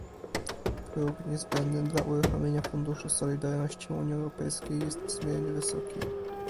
Próg niezbędny dla uruchomienia Funduszu Solidarności Unii Europejskiej jest niezmiernie wysoki